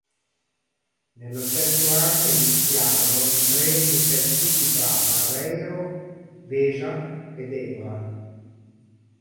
Nello stesso anno iniziarono i treni Intercity tra Barreiro, Beja ed Évora.